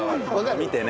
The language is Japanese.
見てね。